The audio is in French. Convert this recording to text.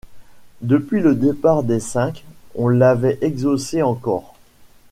Depuis le départ des cinq, on l’avait exhaussée encore.